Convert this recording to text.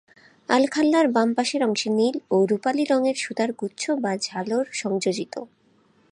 আলখাল্লার বাম পাশের অংশে নীল ও রূপালি রঙের সুতার গুচ্ছ বা ঝালর সংযোজিত।